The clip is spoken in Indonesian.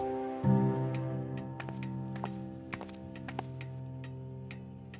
aku sudah berhasil